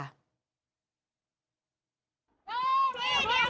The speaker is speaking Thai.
วัทธิ์หนึ่งเดี๋ยวการ